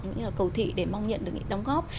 cũng như là cầu thị để mong nhận được những đóng góp